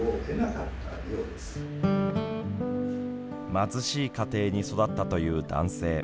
貧しい家庭に育ったという男性。